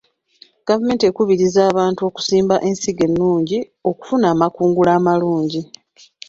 Gavumenti ekubiriza abantu okusimba ensigo ennungi okufuna amakungula amalungi.